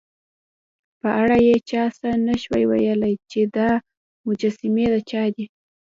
په اړه یې چا څه نه شوای ویلای، چې دا مجسمې د چا دي.